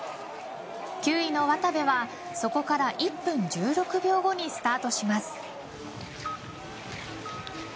９位の渡部はそこから１分１６秒後にスタートします。